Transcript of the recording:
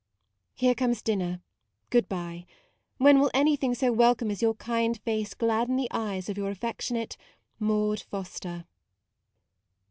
Here comes dinner; good bye. When will anything so welcome as your kind face gladden the eyes of Your affectionate MAUDE FOSTER